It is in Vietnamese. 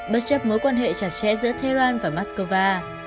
bất chấp mối quan hệ chặt chẽ giữa tehran và mắc cơ va